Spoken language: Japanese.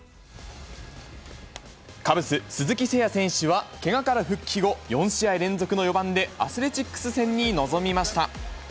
カブス、鈴木誠也選手は、けがから復帰後、４試合連続の４番でアスレチックス戦に臨みました。